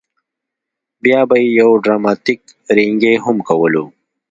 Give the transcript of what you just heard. بیا به یې یو ډراماتیک رینګی هم کولو.